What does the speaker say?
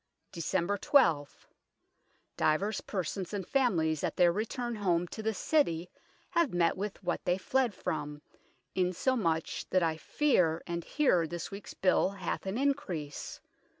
" Dec. 12. Divers persons and familyes at their returne home to the City have mett with what they fled from, in so much that I feare and heare this weekes bill hath an increase.